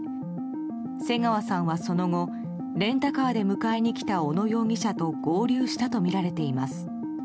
瀬川さんは、その後レンタカーで迎えに来た小野容疑者と合流したとみられています。